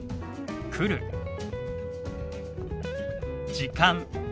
「時間」。